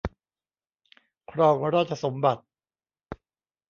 ครองราชสมบัติ